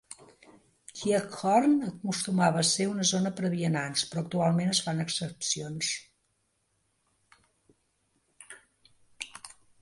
Giethoorn acostumava a ser una zona per a vianants, però actualment es fan excepcions.